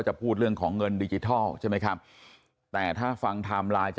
ในส่วนของสหราครก็จะตรวจ